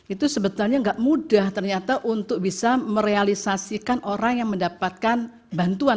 itu sebetulnya nggak mudah ternyata untuk bisa merealisasikan orang yang mendapatkan bantuan